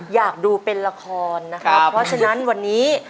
อยากดูเป็นละครนะครับเพราะฉะนั้นวันนี้